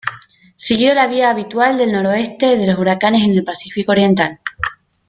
Siguió la vía habitual del noroeste de los huracanes en el Pacífico oriental.